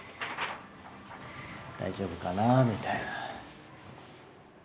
大丈夫かなぁみたいな。